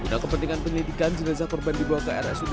sudah kepentingan penelitikan jenazah perban dibawa ke rsud